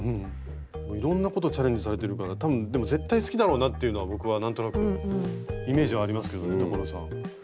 いろんなことチャレンジされてるから多分絶対好きだろうなっていうのは僕は何となくイメージはありますけどね所さん。